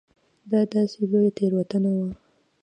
دا داسې لویه تېروتنه وه.